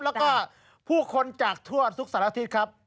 แล้วก็ผู้คนจากทั่วทุกสารอาทิตย์ครับ